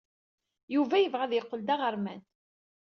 Yuba yebɣa ad yeqqel d aɣerman.